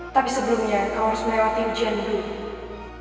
tapi sebelumnya kamu harus melewati ujian dulu